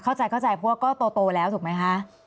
เข้าใจเข้าใจเพราะว่าก็โตแล้วถูกไหมคะ